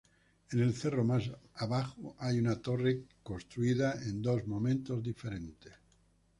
En el cerro más abajo hay una torre construida en dos momentos diferentes.